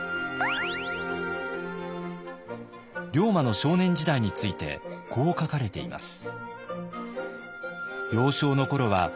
龍馬の少年時代についてこう書かれています。